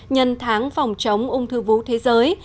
nhân tháng phòng chống ung thư vú thế giới